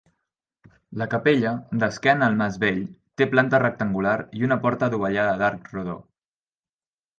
La capella, d'esquena al mas vell, té planta rectangular i una porta adovellada d'arc rodó.